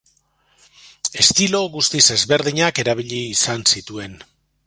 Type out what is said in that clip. Estilo guztiz ezberdinak erabili izan zituen.